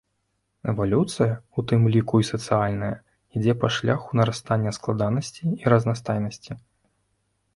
Эвалюцыя, у тым ліку і сацыяльная, ідзе па шляху нарастання складанасці і разнастайнасці.